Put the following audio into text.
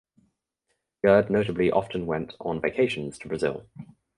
Gerd notably often went on vacations to Brazil.